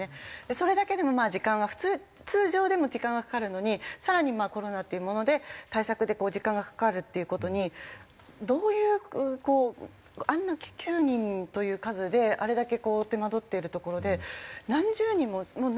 それだけでも時間は普通通常でも時間はかかるのに更にコロナっていうもので対策で時間がかかるっていう事にどういうこうあんな９人という数であれだけ手間取っているところで何十人も何百人も来て。